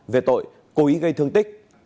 về tội cố ý gây thương tích